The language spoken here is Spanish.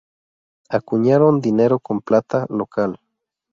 Acuñaron dinero con plata local.